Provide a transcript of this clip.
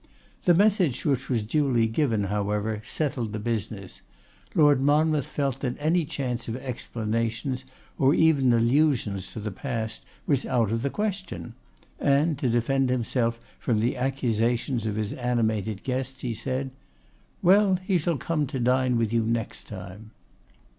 The message, which was duly given, however, settled the business. Lord Monmouth felt that any chance of explanations, or even allusions to the past, was out of the question; and to defend himself from the accusations of his animated guests, he said, 'Well, he shall come to dine with you next time.